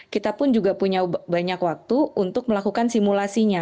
kita pun juga punya banyak waktu untuk melakukan simulasinya